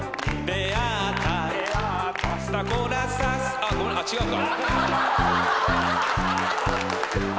あっごめん違うか。